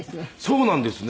そうなんですね。